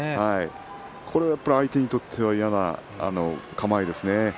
それは相手にとって嫌な構えですね。